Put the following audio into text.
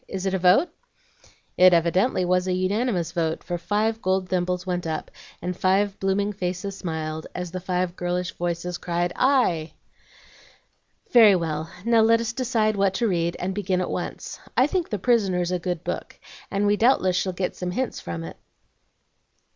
Is it a vote?" It evidently was a unanimous vote, for five gold thimbles went up, and five blooming faces smiled as the five girlish voices cried, "Aye!" "Very well, now let us decide what to read, and begin at once. I think the 'Prisoners' a good book, and we shall doubtless get some hints from it."